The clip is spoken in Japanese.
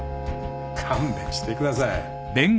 勘弁してください。